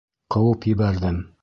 Ҡыуып ебәрҙем.